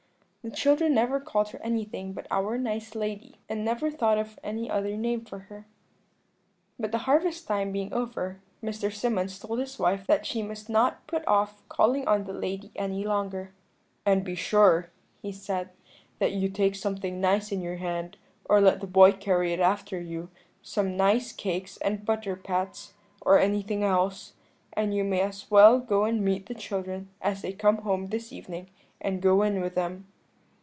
The children never called her anything but 'our nice lady,' and never thought of any other name for her. "But the harvest time being over, Mr. Symonds told his wife that she must not put off calling on the lady any longer. "'And be sure,' he said, 'that you take something nice in your hand, or let the boy carry it after you; some nice cakes and butter pats, or anything else; and you may as well go and meet the children as they come home this evening, and go in with them.'